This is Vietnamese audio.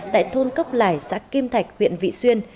tại thôn cốc lải xã kim thạch huyện vị xuyên